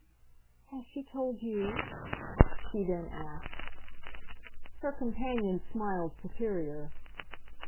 "Has she told you?" she then asked. Her companion smiled superior.